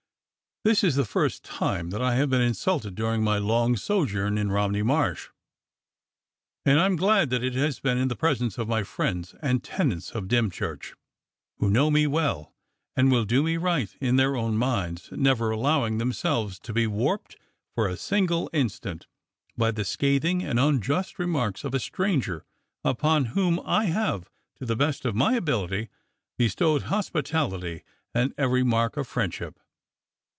This is the first time that I have been insulted during my long sojourn in Romney Marsh, and I am glad that it has been in the presence of my friends and tenants of Dymchurch, who know me well and will do me right in their own minds, never allowing themselves to be warped for a single instant by the scathing and unjust remarks of a stranger upon whom I have, to the best of my abil ity, bestowed hospitality and every mark of friendship.